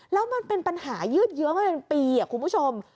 แล้วมันเป็นปัญหายืดเยื้อมาเป็นปีคุณผู้ชม